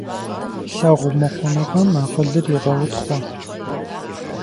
Лъагъумыхъуныгъэм акъылыр егъэутхъуэ.